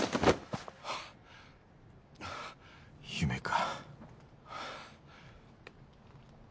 夢か。